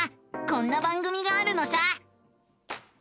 こんな番組があるのさ！